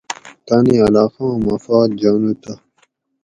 تانی علاقاں مفاد جانو تہ